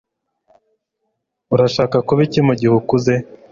Urashaka kuba iki mugihe ukuze